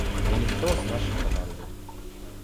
І ніхто з нашай каманды.